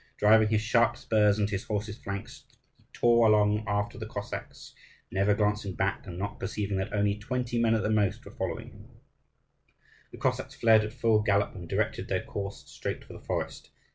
Driving his sharp spurs into his horse's flanks, he tore along after the Cossacks, never glancing back, and not perceiving that only twenty men at the most were following him. The Cossacks fled at full gallop, and directed their course straight for the forest.